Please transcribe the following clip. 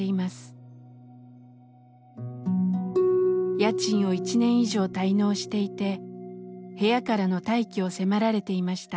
家賃を１年以上滞納していて部屋からの退去を迫られていました。